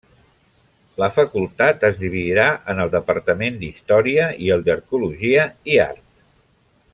La facultat es dividirà en el departament d'història i el d'arqueologia i art.